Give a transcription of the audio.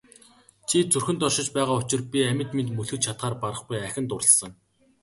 Чи зүрхэнд оршиж байгаа учир би амьд мэнд мөлхөж чадахаар барахгүй ахин дурласан.